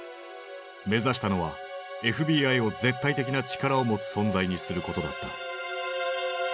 目指したのはＦＢＩを絶対的な力を持つ存在にすることだった。